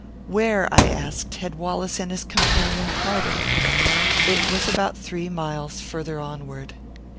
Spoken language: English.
Where, I asked, had Wallace and his companion parted? It was about three miles farther onward.